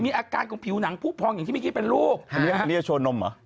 อาการของผิวหนังผู้พองอย่างที่เมื่อกี้เป็นลูกอันนี้เรียกโชวนมเหรอ